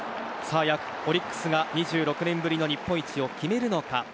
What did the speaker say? オリックスが２６年ぶりの日本一を決めるのか。